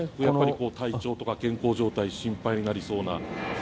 体調とか健康状態心配になりそうな。